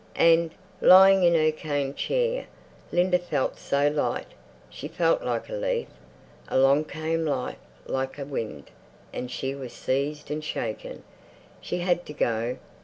And, lying in her cane chair, Linda felt so light; she felt like a leaf. Along came Life like a wind and she was seized and shaken; she had to go.